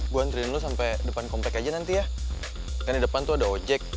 gua ngeri lu sampai depan komplek aja nanti ya kan depan tuh ada ojek